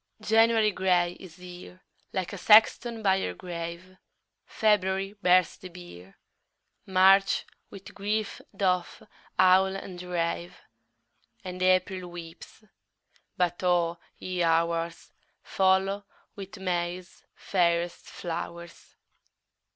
4. January gray is here, Like a sexton by her grave; _20 February bears the bier, March with grief doth howl and rave, And April weeps but, O ye Hours! Follow with May's fairest flowers.